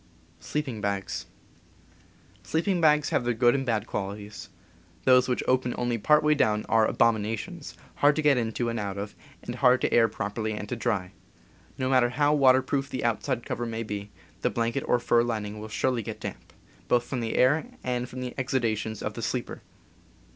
Sleeping bags have their good and bad qualities. Those which open only part way down are abomina „. tions, hard to get into and out of, and J. hard to air properly and to dry. No matter how waterproof the outside cover may be, the blanket or fur lining will surely get damp, both from the air and from the exudations of the sleeper.